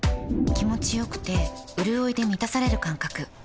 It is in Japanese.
気持ちよくてうるおいで満たされる感覚